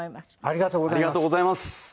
ありがとうございます。